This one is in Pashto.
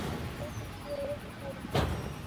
سختۍ شپې او ورځې تېرې کړې.